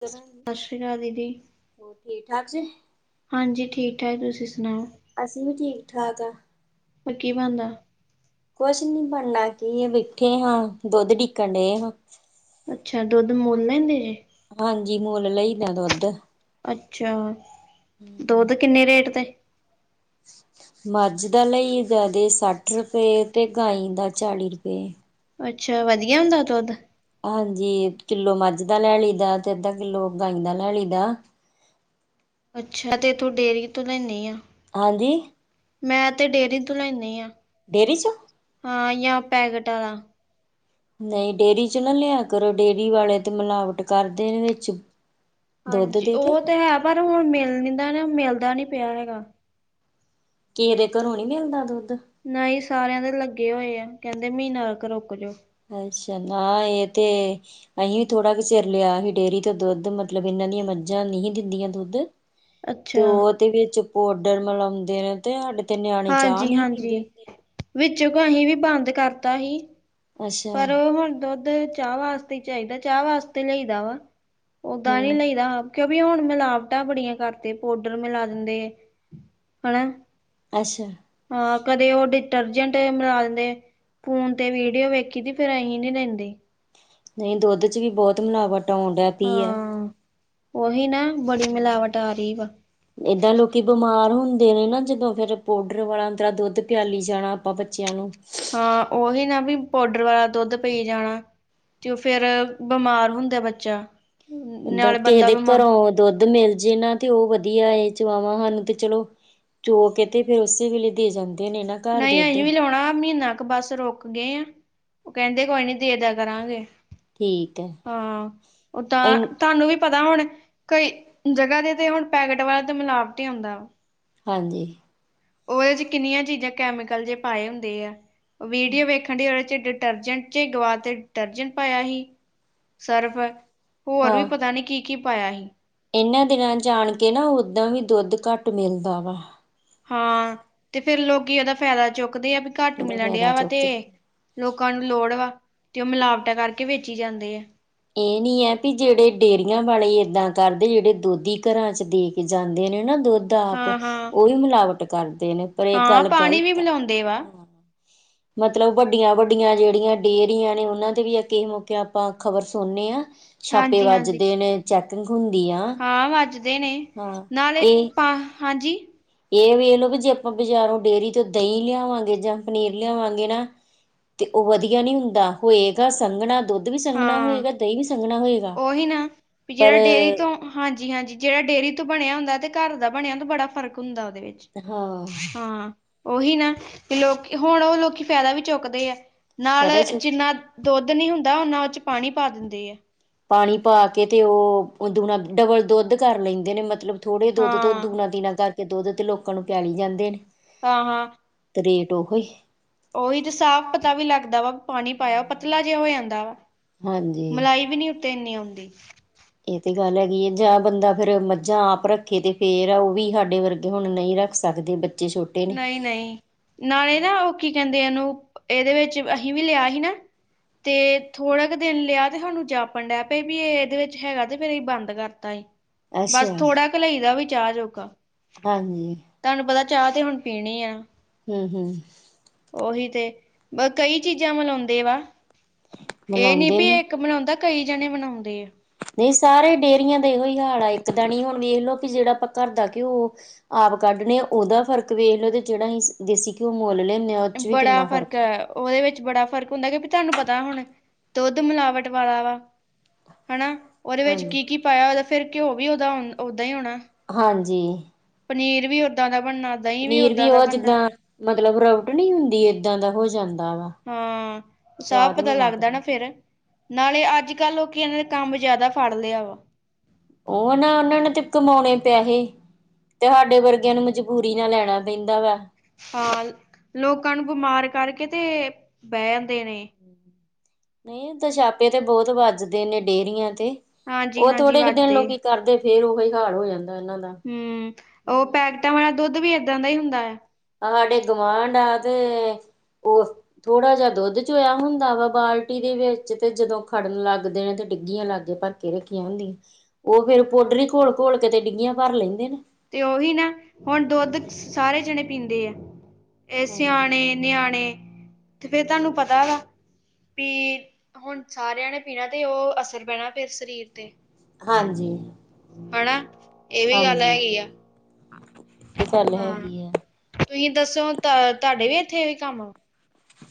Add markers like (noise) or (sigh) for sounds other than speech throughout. ਭੈਣ ਸਤਿ ਸ਼੍ਰੀ ਅਕਾਲ ਦੀਦੀ। ਹੋਰ ਠੀਕ-ਠਾਕ ਜੀ? ਹਾਂਜੀ, ਠੀਕ ਐ, ਤੁਸੀਂ ਸੁਣਾਓ? ਅਸੀ ਵੀ ਠੀਕ-ਠਾਕ ਆਂ। ਹੋਰ ਕੀ ਬਨਦਾ? ਕੁਛ ਨਹੀਂ ਬਣਨਾ ਕੀ ਐ ਬੈਠੇ ਹਾਂ, ਦੁੱਧ ਡਿੱਕਣ ਡਏ ਹਾਂ। ਅੱਛਾ, ਦੁੱਧ ਮੁੱਲ ਲੈਂਦੇ ਜੇ? ਹਾਂਜੀ, ਮੁੱਲ ਲਈਦਾ ਦੁੱਧ। ਅੱਛਾ। ਦੁੱਧ ਕਿੰਨੇ ਰ੍ਹੇਟ ਤੇ? ਮੱਝ ਦਾ ਲਈ ਦਾ ਜੇ ਸੱਠ ਰੁਪਏ। ਤੇ ਗਾਂਈ ਦਾ ਚਾਲੀ ਰੁਪਏ। ਅੱਛਾ, ਵਧੀਆ ਹੁੰਦਾ ਦੁੱਧ? ਹਾਂਜੀ, ਕਿੱਲੋ ਮੱਝ ਦਾ ਲੈ ਲਈ ਦਾ, ਤੇ ਅੱਧਾ-ਕਿੱਲੋ ਗਾਂਈ ਦਾ ਲੈ ਲਈ ਦਾ। ਅੱਛਾ, ਤੇ ਇਥੋਂ ਡੇਅਰੀ ਤੋਂ ਲੈਨੀ ਆਂ। ਹਾਂਜੀ ''ਮੈਂ ਤੇ ਡੇਅਰੀ ਤੋਂ ਲੈਂਨੀ ਆਂ। ਡੇਅਰੀ 'ਚੋਂ? ਹਾਂ, ਯਾ ਪੈਕੇਟ ਵਾਲਾ। ਨਹੀਂ ਡੇਅਰੀ'ਚੋਂ ਨਾ ਲਿਆ ਕਰੋ, ਡੇਅਰੀ ਵਾਲੇ ਤੇ ਮਿਲਾਵਟ ਕਰਦੇ ਨੇ ਵਿੱਚ। ਦੁੱਧ ਹਾਂਜੀ, ਦੇ ਉਹ ਤੇ ਹੈ, ਪਰ ਹੁਣ ਮਿਲਣ ਦਾ, ਨਾ ਮਿਲਦਾ ਨੀ ਪਿਆ ਹੈਗਾ। ਕਿਹੇ ਦੇ ਘਰੋਂ ਨੀ ਮਿਲਦਾ ਦੁੱਧ? ਨਹੀਂ ਸਾਰਿਆਂ ਦੇ ਲੱਗੇ ਹੋਏ ਆ, ਕਹਿੰਦੇ ਮਹੀਨਾ ਕ ਰੁੱਕਜੋ। ਅੱਛਾ, ਨਾ ਇਹ ਤੇ ਅਹੀਂ ਵੀ ਥੋੜ੍ਹਾ ਕੁ ਚਿਰ ਲਿਆ ਹੀ ਡੇਅਰੀ ਤੋਂ ਦੁੱਧ, ਮਤਲਬ ਇਹਨਾਂ ਦੀਆਂ ਮੱਝਾਂ ਨਹੀਂ ਸੀ ਦਿੰਦੀਆਂ ਦੁੱਧ। ਅੱਛਾ ਤੇ ਉਹ ਤੇ ਵਿੱਚ ਪੋਡਰ ਮਿਲਾਉਂਦੇ ਨੇ, ਤੇ ਹਾਡੇ ਤੇ ਨਿਆਣੇ ਚਾਹ ਨੀ ਪੀਂਦੇ ਹੁੰਦੇ। ਵਿਚੋਂ ਕ ਅਹੀਂ ਵੀ ਬੰਦ ਕਰਤਾ ਹੀ। ਅੱਛਾ ਪਰ, ਹੁਣ ਦੁੱਧ ਚਾਹ ਵਾਸਤੇ ਹੀ ਚਾਹੀਦਾ, ਚਾਹ ਵਾਸਤੇ ਲਈਦਾ ਵਾ। ਓਹਦਾਂ ਨੀ ਹਮ ਲਈਦਾ, ਆਪ। ਕਿ ਵੀ ਹੁਣ ਮਿਲਾਵਟਾਂ ਬੜੀਆਂ ਕਰਦੇ, ਪੋਡਰ ਮਿਲਾ ਦਿੰਦੇ, ਹਣਾ? ਅੱਛਾ ਹਾਂ ਕਦੇ ਉਹ ਡਿਟਰਜੈਂਟ ਮਿਲਾ ਲਿੰਦੇ ਫੋਨ ਤੇ ਵੀਡੀਓ ਵੇਖ ਕਹਿੰਦੀ ਫਿਰ ਅਹੀਂ ਨਹੀਂ ਲੈਂਦੇ। ਨਹੀਂ ਦੁੱਧ 'ਚ ਵੀ ਬਹੁਤ ਮਿਲਾਵਟ ਆਉਣ ਡੈ ਪੀ ਐ। ਹਾਂ ਉਹੀ ਨਾ ਬੜੀ ਮਿਲਾਵਟ ਆ ਰਹੀ ਵਾ। ਤੇ ਬਿਮਾਰ ਹੁੰਦੇ ਨੇ ਨਾ ਜਦੋਂ ਫਿਰ ਪਾਊਡਰ ਵਾਲਾ ਔਂਤਰਾ ਦੁੱਧ ਪਿਆਲੀ ਜਾਣਾ ਆਪਾਂ ਬੱਚਿਆਂ ਨੂੰ ਹਾਂ ਉਹੀ ਨਾ ਵੀ ਪਾਊਡਰ ਵਾਲਾ ਦੁੱਧ ਪੀ ਜਾਣਾ। ਤੇ ਉਹ ਫਿਰ ਬਿਮਾਰ ਹੁੰਦਾ ਬੱਚਾ ਉਦਾਂ ਨਾਲੇ ਕਿਸੇ ਬੰਦਾ ਦੇ ਬਿਮਾਰ ਘਰੋਂ ਦੁੱਧ ਮਿਲ ਜੇ ਨਾ। ਤੇ ਉਹ ਵਧੀਆ ਹੈ ਚਵਾਵਾਂ ਸਾਨੂੰ ਤੇ ਚਲੋ ਚੋ ਕੇ ਤੇ ਫੇਰ ਉਸੇ ਵੇਲੇ ਦੇ ਜਾਂਦੇ ਨੇ ਨਾ। ਘਰ ਨਹੀਂ ਦੁੱਧ ਅਸੀਂ ਵੀ ਲਾਉਣਾ ਆ ਮਹੀਨਾ ਕ ਬੱਸ ਰੁਕ ਗਏ ਆਂ ਉਹ ਕਹਿੰਦੇ ਕੋਈ ਨੀ ਦੇ ਦਾ ਕਰਾਂਗੇ। ਠੀਕ ਹੈ। ਹਾਂ ਓ ਤਾਂ ਇਨ ਤੁਹਾਨੂੰ ਵੀ ਪਤਾ ਹੁਣਾ ਕਈ ਜਗ੍ਹਾ ਤੇ ਤਾਂ ਹੁਣ ਪੈਕਟ ਵਾਲਾ ਤੇ ਮਿਲਾਵਟੀ ਹੁੰਦਾ ਵਾ। ਹਾਂਜੀ ਉਹਦੇ 'ਚ ਕਿੰਨੀਆਂ ਚੀਜ਼ਾਂ ਕੈਮੀਕਲ ਜੇ ਪਾਏ ਹੁੰਦੇ ਆ। ਵੀਡੀਓ ਵੇਖਣ ਦੀ ਉਹਦੇ 'ਚ ਡਿਟਰਜੈਂਟ 'ਚ ਗਵਾ ਤੇ ਡਿਟਰਜੈਂਟ ਪਾਇਆ ਸੀ। ਸਰਫ਼ ਹੋਰ ਵੀ ਹਾਂ ਪਤਾ ਨਹੀਂ ਕੀ-ਕੀ ਪਾਇਆ ਸੀ। ਇਹਨਾਂ ਦਿਨਾਂ 'ਚ ਆਣ ਕੇ ਨਾ ਓਦਾਂ ਵੀ ਦੁੱਧ ਘੱਟ ਮਿਲਦਾ ਵਾ। ਹਾਂ ਤੇ ਫਿਰ ਲੋਕੀਂ ਇਹਦਾ ਫਾਇਦਾ ਚੁੱਕਦੇ ਆ ਵੀ ਘੱਟ ਇਹਦਾ ਮਿਲਣ ਫਾਇਦਾ ਡਿਆ ਵਾ ਤੇ ਚੁੱਕਦੇ ਲੋਕਾਂ ਨੂੰ ਲੋੜ ਵਾ ਤੇ ਉਹ ਮਿਲਾਵਟਾਂ ਕਰਕੇ ਵੇਚੀ ਜਾਂਦੇ ਆ। ਇਹ ਨੀ ਹੈ ਵੀ ਜਿਹੜੇ ਡੇਅਰੀਆਂ ਵਾਲੇ ਏਦਾਂ ਕਰਦੇ ਜਿਹੜੇ ਦੁੱਧੀ ਘਰਾਂ 'ਚ ਦੇ ਕੇ ਜਾਂਦੇ ਨੇ ਨਾ ਦੁੱਧ ਆਪ ਹਾਂ ਹਾਂ ਉਹੀ ਮਿਲਾਵਟ ਕਰਦੇ ਨੇ ਪਰ ਇਹ ਹਾਂ ਗੱਲ ਪਾਣੀ ਵੀ ਗਲਤ ਆ। ਪਿਲਾਉਂਦੇ ਵਾ ਮਤਲਬ ਵੱਡੀਆਂ- ਵੱਡੀਆਂ ਜਿਹੜੀਆਂ ਡੇਅਰੀਆਂ ਨੇ ਉਹਨਾਂ ਦੇ ਵੀ ਅ ਮੌਕੇ ਆਪਾਂ ਖ਼ਬਰ ਸੁਣੇ ਹਾਂ ਛਾਪੇ ਹਾਂਜੀ ਹਾਂਜੀ ਵੱਜਦੇ ਨੇ। ਚੈਕਿੰਗ ਹੁੰਦੀ ਆ ਹਾਂ ਵੱਜਦੇ ਨੇ ਹਾਂ ਨਾਲੇ ਇਹ ਪਾ ਹਾਂਜੀ ਇਹ ਵੇਖ ਲਓ ਵੀ ਜੇ ਆਪਾਂ ਬਾਜ਼ਾਰੋਂ ਡੇਅਰੀ ਤੋਂ ਦਹੀਂ ਲਿਆਵਾਂਗੇ ਜਾਂ ਪਨੀਰ ਲਿਆਵਾਂਗੇ ਨਾ। ਤੇ ਉਹ ਵਧੀਆ ਨਹੀਂ ਹੁੰਦਾ ਹੋਏਗਾ ਸੰਘਣਾ ਦੁੱਧ ਦੁੱਧ ਵੀ ਸੰਘਣਾ ਹਾਂ ਹੋਏਗਾ ਦਹੀਂ ਵੀ ਸੰਘਣਾ ਹੋਏਗਾ ਉਹੀ ਨਾ ਵੀ ਪਰ ਜਿਹੜਾ ਡੇਅਰੀ ਤੋਂ ਹਾਂਜੀ -ਹਾਂਜੀ ਜਿਹੜਾ ਡੇਅਰੀ ਤੋਂ ਬਣਿਆ ਹੁੰਦਾ ਅਤੇ ਘਰ ਦਾ ਬਣਿਆ ਤਾਂ ਬੜਾ ਫਰਕ ਹੁੰਦਾ ਉਹਦੇ ਵਿੱਚ ਹਾਂ ਹਾਂ ਉਹੀ ਨਾ ਤੇ ਲੋਕ ਹੁਣ ਉਹ ਲੋਕੀ ਫਾਇਦਾ ਵੀ ਚੁੱਕਦੇ ਆ। ਨਾਲ ਇਹਦੇ ਚ ਜਿੰਨਾ ਦੁੱਧ ਨਹੀਂ ਹੁੰਦਾ ਨਾ ਉਹ ਪਾਣੀ ਪਾ ਦਿੰਦੇ ਆ। ਪਾਣੀ ਪਾ ਕੇ ਤੇ ਉਹ ਦੁਣਾ ਡਬਲ ਦੁੱਧ ਕਰ ਲੈਂਦੇ ਨੇ ਮਤਲਬ ਥੋੜ੍ਹੇ ਦੁੱਧ ਤੋਂ ਹਾਂ ਦੂਨਾਂ ਤੀਨਾਂ ਕਰਕੇ ਦੁੱਧ ਤੇ ਲੋਕਾਂ ਨੂੰ ਪਿਆਲਈ ਜਾਂਦੇ। ਹਾਂ -ਹਾਂ। ਤੇ ਰੇਟ ਉਹੀ ਉਹੀ ਤੇ ਸਾਫ਼ ਪਤਾ ਵੀ ਲੱਗਦਾ ਵਾ ਪਾਣੀ ਪਾਇਆ ਪਤਲਾ ਜਿਹਾ ਹੋ ਜਾਂਦਾ ਵਾ। ਹਾਂਜੀ ਮਲਾਈ ਵੀ ਨੀ ਉਤੇ ਇੰਨੀ ਆਉਂਦੀ। ਇਹ ਤੇ ਗੱਲ ਹੈਗੀ ਹੈ ਜਾਂ ਬੰਦਾ ਫੇਰ ਮੱਝਾਂ ਆਪ ਰੱਖੇ ਤੇ ਫੇਰ ਆ ਉਹ ਵੀ ਹਾਡੇ ਵਰਗੇ ਹੁਣ ਨਹੀਂ ਰੱਖ ਸਕਦੇ ਬੱਚੇ ਛੋਟੇ ਨੇ ਨਹੀਂ- ਨਹੀਂ ਨਾਲੇ ਨਾ ਉਹ ਕੀ ਕਹਿੰਦੇ ਇਹਨੂੰ ਇਹਦੇ ਵਿੱਚ ਅਹੀ ਵੀ ਲਿਆ ਹੀ ਨਾ। ਤੇ ਥੋੜਾ ਕੁ ਦਿਨ ਲਿਆ ਤੇ ਸਾਨੂੰ ਜਾਪਣ ਡਿਆ ਪਏ ਵੀ ਇਹ ਇਹਦੇ ਵਿੱਚ ਹੈਗਾ ਤੇ ਫੇਰ ਇਹ ਬੰਦ ਕਰਤਾ ਹੀ। ਬਸ ਅੱਛਾ ਥੋੜਾ ਕ ਲਈ ਦਾ ਵੀ ਚਾਹ ਜੋਗਾ। ਹਾਂਜੀ ਤੁਹਾਨੂੰ ਪਤਾ ਚਾਹ ਤੇ ਹੁਣ ਪੀਣੀ ਆ। ਹੂੰ-ਹੂੰ ਉਹੀ ਤੇ ਕਈ ਚੀਜ਼ਾਂ ਮਿਲਾਉਂਦੇ ਵਾ ਇਹ ਨੀ ਮਿਲਾਉਂਦੇ ਨੇ ਪੀ ਕ ਮਨਾਉਂਦਾ ਕਈ ਜਣੇ ਮਨਾਉਂਦੇ ਆ। ਨਹੀਂ ਸਾਰੇ ਡੇਅਰੀਆਂ ਦਾ ਇਹੋ ਹੀ ਹਾਲ ਆਏ ਇੱਕ ਦਾ ਨ ਹੁਣ ਵੇਖ ਲਓ ਵੀ ਜਿਹੜਾ ਆਪਾਂ ਘਰ ਦਾ ਘਿਓ ਆਪ ਕੱਢਣੇ ਉਹਦਾ ਫ਼ਰਕ ਵੇਖ ਲੋ ਤੇ ਜਿਹੜਾ ਅਸੀਂ ਦੇਸੀ ਘਿਓ ਮੁਲ ਲੈ ਬੜਾ ਫਰਕ ਐ। ਓਦੇ ਵਿੱਚ ਬੜਾ ਫ਼ਰਕ ਹੁੰਦਾ ਕੇਓ ਕੇ ਤੂਹਾਨੂੰ ਪਤਾ ਹੁਣ, ਦੁੱਦ ਮਲਾਵਟ ਵਾਲਾ਼ ਵਾ। ਹਣਾ, ਓਦੇ ਵਿੱਚ ਹਾਂਜੀ ਕੀ-ਕੀ ਪਾਏਆ ਓਦਾ ਫੇਰ ਘੇਓ ਵੀ ਓਦਾ ਓਂ ਓਦਾਂ ਈ ਹੋਣਾ। ਹਾਂਜੀ। ਪਨੀਰ ਵੀ ਓਦਾਂ ਦਾ ਬਣਨਾ ਦਹੀਂ ਪਨੀਰ ਵੀ ਓਦਾਂ ਦਾ ਓ ਬਣਨਾ। ਜਿੱਦਾਂ ਮਤਲਬ ਰਬਟ ਨੀ ਹੁੰਦੀ, ਐਦਾਂ ਦਾ ਹੋ ਜਾਂਦਾ ਵਾ। ਹਾਂ, ਸਾਫ ਸਵਾਦ ਨੀ ਪਤਾ ਲਾੱਗਦਾ ਲੱਗਦਾ ਨਾ ਫੇਰ। ਨਾਲੇ਼ ਆਜ-ਕਾੱਲ ਲੋਕੀਆ ਐਨਾਂ ਨੇ ਕਾੰਮ ਜਾਦਾ ਫਾੜ ਲੇਆ ਵਾ। ਓ ਨਾ ਓਨਾ ਨੇ ਤੇ ਕਮਾਔਣੇ ਪੈਹੇੇ। ਤੇ ਹਾਡੇ ਵਰਗੇਆਂ ਨੂੰ ਮਜਬੂਰੀ ਨਾ ਲੈਣਾ ਪੈਂਦਾ ਵਾ। ਹਾਂ, ਲੋਕਾਂ ਨੂੰ ਬਮਾਰ ਕਾਰਕੇ ਤੇ ਬੈਅ ਜਾਂਦੇ ਨੇ। ਨਈ, ਓਦਾ ਸਾ਼ਪੇ ਤੇ ਬੋਤ ਵਾੱਜਦੇ ਨੇ ਡੇਰੀਆਂ ਤੇ। ਓ ਹਾਂਜੀ-ਹਾਂਜੀ ਥੋੜੇ ਕ ਦੇਨ ਵੱਜਦੇ। ਲੋਕੀ ਕਾਰਦੇ ਫੇਰ ਓਹੀ ਹਾਲ਼ ਹੋ ਜਾਂਦਾ ਐਨਾਂ ਦਾ। ਓ ਪੈਕਟਾਂ ਵਾਲਾ਼ ਦੋਦ ਵੀ ਏਦਾਂ ਦਾ ਈ ਹੁੰਦਾ ਯਾ। ਆ ਹਾਡੇ ਗਵਾਂਡ, ਆਜੇ ਓ ਥੋੜਾ ਜੇਆ ਦੋੱਦ ਚੂਆਂ ਹੁੰਦਾ ਵਾ ਬਾਲਟੀ ਦੇ ਵੇੱਚ, ਤੇ ਜਦੋਂ ਖੜਨ ਲਾੱਗ ਦੇ ਆ ਤੇ ਡਿੱਗੀਆਂ ਲੱਗ ਗਏ ਤੇ ਰੱਖੀਆਂ ਹੁੰਦੀਆਂ, ਓ ਫੇਰ ਪੋਡਰ ਈ ਘੋਲ਼-ਘੋਲ਼ ਕੇ ਤੇ ਡਿੱਗੀਆਂ ਭਾਰ ਲੈਂਦੇ ਨੇ। ਤੇ ਓਹੀ ਨਾ ਹੋਣ ਦੋੱਦ ਸਾਰੇ ਜਣੇ ਪੀਂਦੇ ਆ, ਏ ਸੇਆਣੇ ਨੇਆਣੇ, ਤੇ ਫੇਰ ਥਾਨੂੰ ਪਤਾ ਵਾ ਪੀ, ਹੋਣ ਸਾਰੇਆਂ ਨੇ ਪੀਣਾ ਤੇ ਓ ਅਸਰ ਪੈਣਾ ਫੇਰ ਸਰੀਰ ਤੇ ਹਾਂਜੀ। ਹਣਾ, ਏ ਹੀ ਗਾੱਲ ਹੈਗੀ ਆ। ਤੇ ਗਾੱਲ ਹੈਗੀ ਆ। ਤੁਹੀ ਦੱਸੋ ਤਾ ਤੁਹਾਡੇ ਵੀ ਐਥੇ ਏਹੀ ਕਾੰਮ ਆ?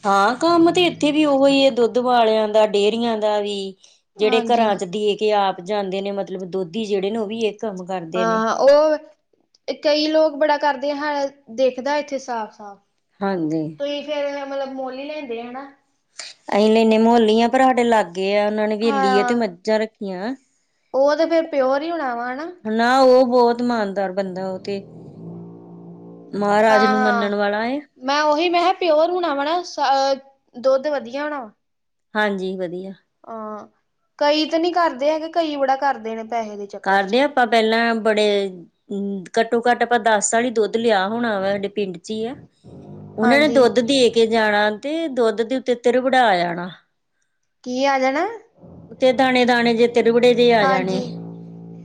ਹਾਂ, ਕੰਮ ਤੇ ਏਥੇ ਵੀ ਓ ਈ ਏ ਦੁੱਧ ਵਾਲੇ਼ਆਂ ਦਾ ਡੇਰੀਆਂ ਦਾ ਵੀ। ਜੇੜੇ ਹਾਂਜੀ ਘਰਾਂ ਚ ਦੇ ਕੇ ਆਪ ਜਾਂਦੇ ਨੇ ਮਤਲਬ ਦੁੱਦੀ ਜੇੜੇ ਨੇ ਓ ਵੀ ਏ ਕੰਮ ਕਾਰਦੇ ਨੇ। ਓ, ਕਈ ਲੋਕ ਬੜਾ ਕਾਰਦੇ ਆ ਹੈ ਦੇਖਦਾ ਏਥੇ ਸਾਫ਼-ਸਾਫ਼। ਹਾਂਜੀ। ਕਈ ਫੇਰ ਮਲਬ ਮੋੱਲ ਈ ਲੈਂਦੇ ਹਣਾ ਅਹੀਂ ਲੈਂਨੇ ਮੋੱਲ ਈ ਆ ਪਰ ਹਾਡੇ ਲਾਗੇ ਆ, ਓਨਾਂ ਨੇ ਹਵੇਲੀ ਏ ਤੇ ਮੱਝਾਂ ਰੱਖੀਆਂ। ਓ ਤੇ ਫੇਰ ਪੇਓਰ ਈ ਹੋਣਾ ਵਾ ਹਣਾ? ਨਾ ਓ ਬੋਤ ਮਾਨਦਾ ਦਾਰ ਬੰਦਾ ਓ ਤੇ ਮਾਹਰਾਜ ਹਾਂ ਨੂੰ ਹਾਂ ਮੰਨਣ ਵਾਲਾ ਏ ਮੈਂ ਓਹੀ ਮੈਂ ਖੇਆ ਪੇਓਰ ਹੋਣਾ ਵਾ ਨਾ ਸਾ ਦੋੱਦ ਵਦੀਆ ਹੋਣਾ ਵਾ। ਹਾਂਜੀ, ਵਦੀਆ। ਅ ਕਈ ਤੇ ਨੀ ਕਾਰਦੇ ਹੈਗੇ ਕਈ ਬੜਾ ਕਾਰਦੇ ਣੇ ਪੈਹੇ ਦੇ। ਚੱਕਰ ਚ ਕਾਰਦੇ ਆਂ ਆਪਾਂ ਪੈਲਾਂ ਬੜੇ, ਘੱਟੋ-ਘੱਟ ਆਪਾਂ ਦਾਸ ਸਾਲ ਈ ਦੁੱਦ ਲੇਆ। ਹੁਣ ਵਾ ਹਾਡੇ ਪਿੰਡ ਚੀ ਆ ਓਨਾਂ ਨੇ ਹਾਂਜੀ ਦੋਦ ਦੇ ਕੇ ਜਾਣਾ ਤੇ ਦੋੱਦ ਤੇ ਤੇਤੱਰ ਵੜਾ ਜਾਣਾ। ਕੀ ਆ ਜਾਣਾ? ਉੱਤੇ ਦਾਣੇ-ਦਾਣੇ ਜੇ ਤਿਰਵੜੇ ਜੇ ਆ ਜਾਣੇ। ਹਾਂਜੀ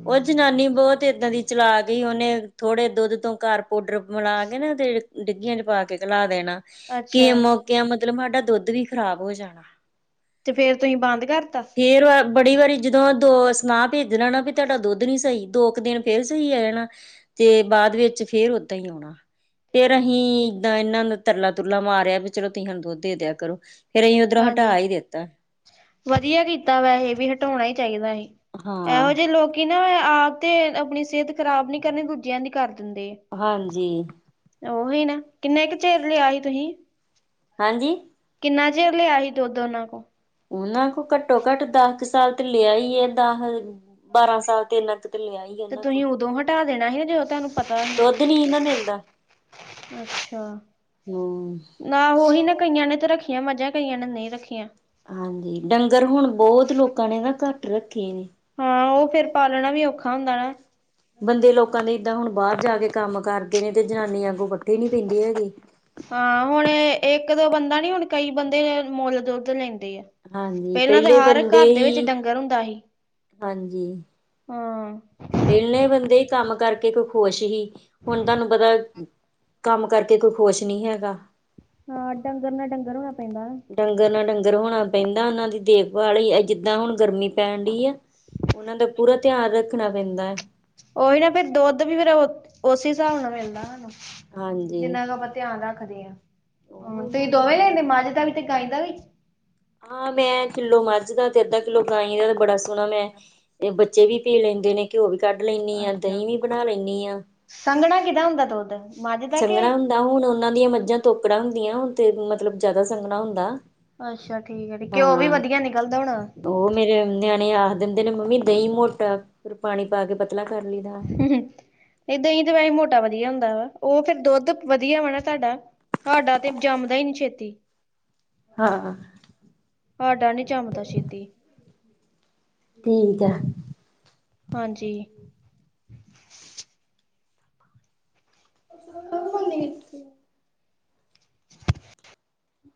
ਓ ਜਨਾਨੀ ਬੋਤ ਏਦਾਂ ਦੀ ਚਲਾ ਹੀ ਓਨੇ ਥੋੜੇ ਦੁੱਦ ਤੋਂ ਘਾਰ ਪੋਡਰ ਮਲਾ਼, ਕੇ ਨਾ ਤੇ ਡਿੱਗੀਆਂ ਚ ਪਾ ਕੇ ਘਲਾ ਦੇਣਾ, ਕੇ ਅੱਛਾ ਮੋਕੇਆਂ ਮਤਲਬ ਸਾਡਾ ਦੋੱਦ ਵੀ ਖ਼ਰਾਬ ਹੋ ਜਾਣਾ। ਤੇ ਫੇਰ ਤੁਹੀਂ ਬਾੰਦ ਕਾਰਤਾ? ਫੇਰ ਵ ਬੜੀ ਵਾਰੀ ਜਦੋਂ ਦੋਸ ਨਾ ਭੇਜਨਾ ਨਾ ਵੀ ਤਾਹਾਡਾ ਦੋੱਦ ਨੀ ਸਈ ਦੋ ਕੁ ਦੇਨ ਫੇਰ ਸਈ ਆ ਜਾਣਾ, ਤੇ ਬਾਦ ਵੇੱਚ ਫੇਰ ਓਦਾਂ ਈ ਆਓਣਾ। ਫੇਰ ਅਹੀਂ, ਏਦਾਂ ਏਨਾਂ ਨੂ ਤਰਲਾ-ਤੁਰਲਾ ਮਾਰੇਆ ਵੀ ਚਲੋ ਤੂਹੀਂ ਹੁਣ ਦੁੱਦ ਦੇ ਦੇਆ ਕਰੋ। ਫੇਰ ਅਹੀ ਓਦਰੋ ਹਟਾ ਈ ਦਿੱਤਾ। ਵਦੀਆ ਕੀਤਾ ਵੈਹੇ ਵੀ ਹਟਾਉਣਾ ਈ ਚਾਈਦਾ ਹੀ, ਹਾਂ ਐਹੋ ਜੇ ਲੋਕ ਕਿਨਾ, ਆਪ ਤੇ ਆਪਣੀ ਸੇਤ ਖ਼ਰਾਬ ਨੀ ਕਰਨੀ ਦੂਜੇਆਂ ਦੀ ਕਾਰ ਦਿੰਦੇ ਆ। ਹਾਂਜੀ। ਉਹੀ ਨਾ, ਕਿੰਨੇ ਕ ਚਿਰ ਲਿਆ ਸੀ, ਤੁਸੀਂ? ਹਾਂਜੀ ਕਿੰਨਾ, ਚਿਰ ਲਿਆ ਸੀ, ਦੁੱਧ ਉਹਨਾਂ ਕੋ ਉਹਨਾਂ ਕੋਲ, ਘੱਟੋ- ਘੱਟ ਦਸ ਕੁ, ਸਾਲ ਤੇ ਲਿਆ ਹੀ ਹੈ। ਦਸ ਬਾਰਾਂ ਸਾਲ, ਤੇ ਇੰਨਾ ਕੁ ਤੇ ਲਿਆ ਹੀ ਹੈ। ਤੇ, ਤੁਸੀਂ ਉਦੋਂ ਹਟਾ ਦੇਣਾ ਸੀ ਨਾ, ਜਦੋਂ ਤੁਹਾਨੂੰ ਪਤਾ ਦੁੱਧ ਨੀ ਨਾ ਮਿਲਦਾ ਅੱਛਾ, ਹੂੰ ਨਾ ਉਹੀ ਨਾ ਕਈਆਂ ਨੇ ਤੇ ਰੱਖ ਕਈਆਂ ਮੱਝਾਂ, ਕਈਆਂ ਨੇ ਨਹੀਂ ਰੱਖੀਆਂ। ਹਾਂਜੀ, ਡੰਗਰ ਹੁਣ ਬਹੁਤ ਲੋਕਾਂ ਨੇ, ਨਾ ਘੱਟ ਰੱਖੇ ਨੇ। ਹਾਂ, ਉਹ ਫੇਰ ਪਾਲਣਾ ਵੀ, ਔਖਾ ਹੁੰਦਾ ਨਾ। ਬੰਦੇ, ਲੋਕਾਂ ਦੇ ਏਦਾਂ ਹੁਣ, ਬਾਹਰ ਜਾ ਕੇ ਕੰਮ ਕਰਦੇ ਨੇ, ਤੇ ਜਨਾਨੀ ਅੱਗੋਂ ਪੱਠੇ ਨੀ, ਪੈਂਂਦੀ ਹੈਗੀ। ਹਾਂ ਹੁਣ ਇੱਕ ਦੋ ਬੰਦਾ ਨੀ, ਹੁਣ ਕਈ ਬੰਦੇ ਮੁੱਲ ਦੁੱਧ ਲੈਂਦੇ ਆ। ਹਾਂਜੀ ਪਹਿਲਾਂ ਤੇ, ਪਹਿਲੇ ਹਰ ਬੰਦੇ ਘਰ ਦੇ ਵਿੱਚ ਹੀ ਡੰਗਰ ਹੁੰਦਾ ਸੀ। ਹਾਂਜੀ ਹਾਂ। ਪਹਿਲੇ ਬੰਦੇ, ਕੰਮ ਕਰਕੇ ਕੋਈ ਖੁਸ਼ ਸੀ, ਹੁਣ ਤੁਹਾਨੂੰ ਪਤਾ ਕੰਮ ਕਰਕੇ, ਕੋਈ ਖੁਸ਼ ਨਹੀਂ ਹੈਗਾ। ਹਾਂ, ਡੰਗਰ ਨਾਲ ਡੰਗਰ ਹੋਣਾ ਪੈਂਦਾ। ਡੰਗਰ ਨਾਲ ਡੰਗਰ ਹੋਣਾ ਪੈਂਦਾ, ਉਹਨਾਂ ਦੀ ਦੇਖਭਾਲ ਹੀ, ਜਿੱਦਾਂ ਹੁਣ ਗਰਮੀ ਪੈਣ ਡਈ ਆ। ਉਹਨਾਂ ਦਾ ਪੂਰਾ, ਧਿਆਨ ਰੱਖਣਾ ਪੈਂਦਾ। ਉਹੀ ਨਾ, ਫਿਰ ਦੁੱਧ ਵੀ, ਫਿਰ ਉਸੇ ਹਿਸਾਬ ਨਾਲ ਮਿਲਦਾ ਸਾਨੂੰ। ਹਾਂਜੀ ਜਿੰਨਾ ਕੁ ਆਪਾਂ ਧਿਆਨ ਰੱਖਦੇ ਹਾਂ, ਹ ਉਹ ਤੁਸੀਂ ਇਹਨਾਂ ਫਿਰ ਦੋਵੇਂ ਲੈਂਦੇ ਮੱਝ ਦਾ ਵੀ ਤੇ, ਗਾਈਂ ਦਾ ਵੀ? ਹਾਂ, ਮੈਂ ਕਿੱਲੋ ਮੱਝ ਦਾ, ਤੇ ਅੱਧਾ ਕਿੱਲੋ ਗਾਈਂ ਦਾ ਤੇ, ਬੜਾ ਸੋਹਣਾ ਮੈਂ ਬੱਚੇ ਵੀ, ਪੀ ਲੈਂਦੇ ਨੇ, ਘਿਓ ਵੀ ਕੱਢ ਲੈਂਦੀ ਆ, ਅੱਛਾ, ਦਹੀਂ ਵੀ ਬਣਾ ਲੈਂਦੀ ਆਂ। ਸੰਘਣਾ, ਕਿਹਦਾ ਹੁੰਦਾ ਦੁੱਧ? ਮੱਝ ਦਾ ਕੇ ਸੰਘਣਾ ਹੁੰਦਾ, ਹੁਣ ਉਹਨਾਂ ਦੀਆਂ ਮੱਝਾਂ, ਤੋਕੜਾਂ ਹੁੰਦੀਆਂ ਤੇ ਮਤਲਬ ਜ਼ਿਆਦਾ ਸੰਘਣਾ ਹੁੰਦਾ। ਅੱਛਾ ਠੀਕ ਹੈ। ਘਿਓ ਵੀ ਹਾਂ ਵਧੀਆ ਨਿਕਲਦਾ ਹੋਣਾ? ਉਹ ਮੇਰੇ ਨਿਆਣੇ ਆਖ ਦਿੰਦੇ ਨੇ, ਮੰਮੀ ਦਹੀਂ ਮੋਟਾ, ਫਿਰ ਪਾਣੀ ਪਾ ਕੇ, ਪਤਲਾ ਕਰ ਲਈਦਾ। ਹ ਨਹੀਂ -ਦਹੀਂ ਤੇ ਵੈਸੇ ਮੋਟਾ ਵਧੀਆ ਹੁੰਦਾ ਵਾ, ਉਹ ਫਿਰ ਦੁੱਧ ਵਧੀਆ ਹੋਣਾ ਤੁਹਾਡਾ? ਸਾਡਾ, ਤੇ ਜੰਮਦਾ ਹੀ ਨੀ ਛੇਤੀ। ਹਾਂ। ਸਾਡਾ ਨੀ, ਜੰਮਦਾ ਛੇਤੀ। ਠੀਕ ਹੈ। ਹਾਂਜੀ। (unintelligible)